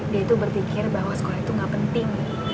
dia itu berpikir bahwa sekolah itu gak penting